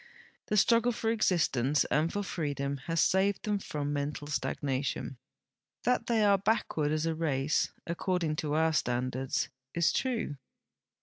The struggle for exist ence and for freedom has saved them from mental stagnation. That the}" are l)ackward as a race, according to our standards, is true.